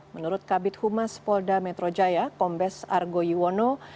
menurut kabit humas polda metro jaya kombes argo yuwono